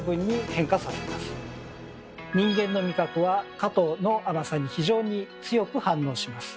人間の味覚は果糖の甘さに非常に強く反応します。